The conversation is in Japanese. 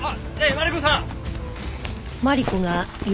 マリコさん！